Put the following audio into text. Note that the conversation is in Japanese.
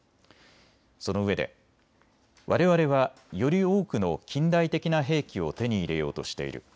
そのうえで、われわれはより多くの近代的な兵器を手に入れようとしている。